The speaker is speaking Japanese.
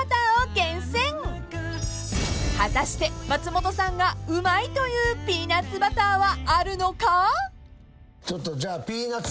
［果たして松本さんがうまいと言うピーナッツバターはあるのか］